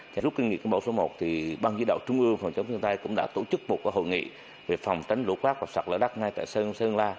trước cái đề nghị của bộ số một thì ban chỉ đạo trung ương phòng chống thiên tai cũng đã tổ chức một hội nghị về phòng tránh lũ quát và sạt lở đất ngay tại sơn la